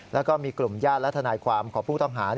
แล้วก็มีกลุ่มญาติและทนายความของผู้ต้องหา